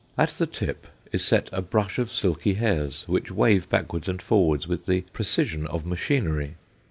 At the tip is set a brush of silky hairs, which wave backwards and forwards with the precision of machinery.